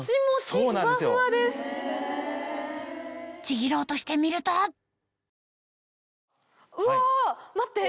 ちぎろうとしてみるとうわ待って！